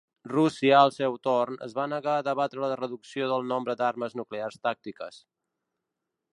Rússia, al seu torn, es va negar a debatre la reducció del nombre d'armes nuclears tàctiques.